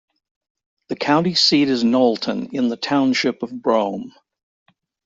The county seat is Knowlton in the Township of Brome.